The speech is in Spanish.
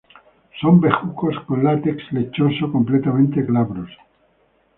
Son bejucos con látex lechoso, completamente glabros.